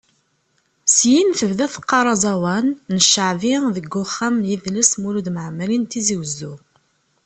Syin tebda teqqar aẓawan n cceɛbi deg Uxxam n yidles Mulud Mɛemmeri n Tizi Uzzu.